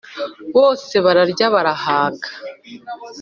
Bose bararya barahaga